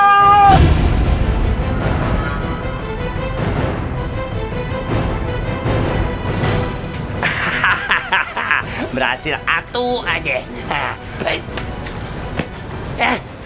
terima kasih sampai berjaya